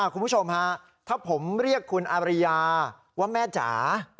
คุณผู้ชมฮะถ้าผมเรียกคุณอาริยาว่าแม่จ๋า